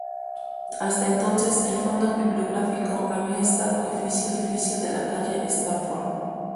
Hasta entonces el fondo bibliográfico había estado en un edificio de la calle Stamford.